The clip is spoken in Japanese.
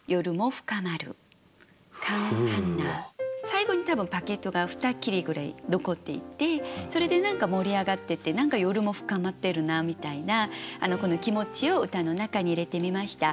最後に多分バゲットが２切れぐらい残っていてそれで何か盛り上がってて何か夜も深まってるなみたいなこの気持ちを歌の中に入れてみました。